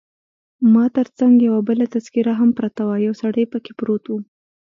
ما تر څنګ یو بله تذکیره هم پرته وه، یو سړی پکښې پروت وو.